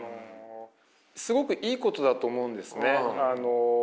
すごくいいことだと思うんですね。